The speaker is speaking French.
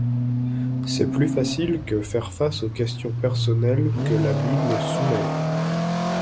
C’est plus facile que faire face aux questions personnelles que La Bible soulève.